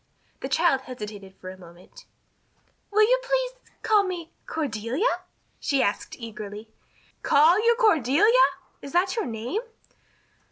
The child hesitated for a moment. "Will you please call me Cordelia?" she said eagerly. "Call you Cordelia? Is that your name?"